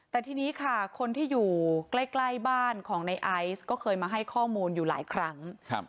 แต่ทีนี้ค่ะคนที่อยู่ใกล้บ้านของในไอซ์ก็เคยมาให้ข้อมูลอยู่หลายครั้ง